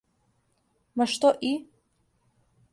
Ма што и?